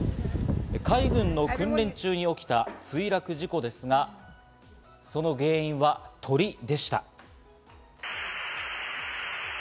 海軍の訓練中に起きた墜落事故ですが、その原因は鳥でした。